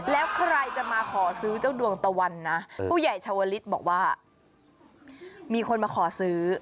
แล้วใครจะมาขอซื้อเจ้าดวงตะวันนะผู้ใหญ่ชาวลิศบอกว่ามีคนมาขอซื้อ